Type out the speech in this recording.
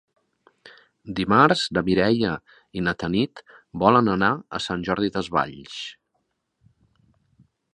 Dimarts na Mireia i na Tanit volen anar a Sant Jordi Desvalls.